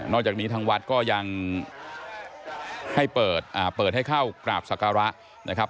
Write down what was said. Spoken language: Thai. จากนี้ทางวัดก็ยังให้เปิดให้เข้ากราบศักระนะครับ